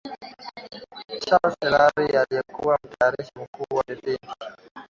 Charles Hillary aliyekuwa Mtayarishaji Mkuu wa vipindi